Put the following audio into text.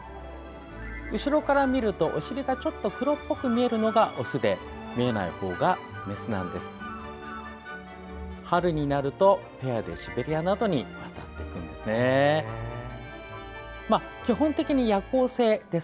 後ろから見ると、お尻がちょっと黒っぽく見えるのがオスで見えない方がメスなんです。